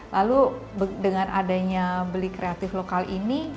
lalu dengan adanya beli kreatif lokal ini